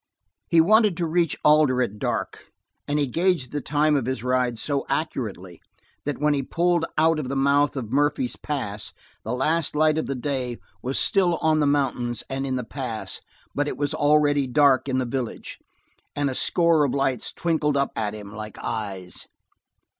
He wanted to reach Alder at dark, and he gauged the time of his ride so accurately that when he pulled out of the mouth of Murphy's Pass, the last light of the day was still on the mountains and in the pass, but it was already dark in the village, and a score of lights twinkled up at him like eyes.